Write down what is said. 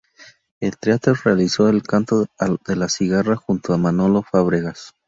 En teatro realizó "El canto de la cigarra", junto a Manolo Fábregas.